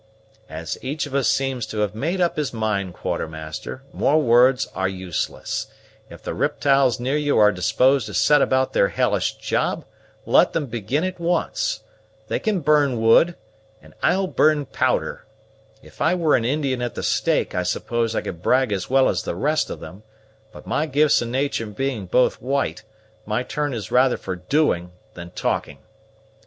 "As each of us seems to have made up his mind, Quartermaster, more words are useless. If the riptyles near you are disposed to set about their hellish job, let them begin at once. They can burn wood, and I'll burn powder. If I were an Indian at the stake, I suppose I could brag as well as the rest of them; but, my gifts and natur' being both white, my turn is rather for doing than talking.